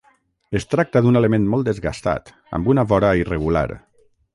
Es tracta d'un element molt desgastat, amb una vora irregular.